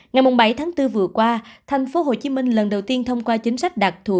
ngày bảy tháng bốn vừa qua thành phố hồ chí minh lần đầu tiên thông qua chính sách đặc thù